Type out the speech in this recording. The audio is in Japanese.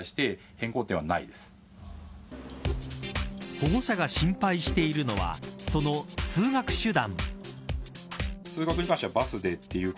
保護者が心配しているのはその通学手段。